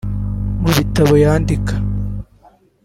Mu bitabo yandika